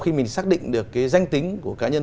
khi mình xác định được cái danh tính của cá nhân